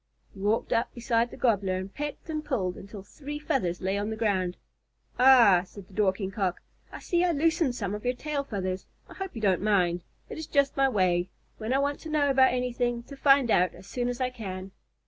He walked up beside the Gobbler and pecked and pulled until three feathers lay on the ground. "Ah," said the Dorking Cock, "I see I loosened some of your tail feathers. I hope you don't mind. It is just my way, when I want to know about anything, to find out as soon as I can."